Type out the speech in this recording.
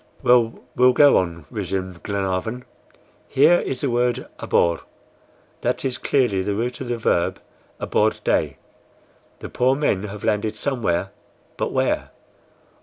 "Well, we'll go on," resumed Glenarvan. "Here is the word ABOR; that is clearly the root of the verb ABORDER. The poor men have landed somewhere; but where?